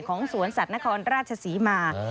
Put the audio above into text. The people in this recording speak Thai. สวนสัตว์นครราชศรีมา